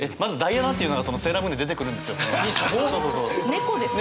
猫ですよね？